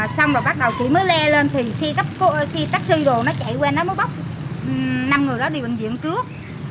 xong rồi bắt đầu chị mới le lên thì xe cấp cứu xe taxi đồ nó chạy qua nó mới bóc năm người đó đi bệnh viện trước